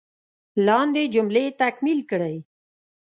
لاندې جملې تکمیل کړئ.